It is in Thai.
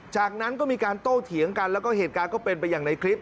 จากนั้นก็มีการโต้เถียงกันแล้วก็เหตุการณ์ก็เป็นไปอย่างในคลิป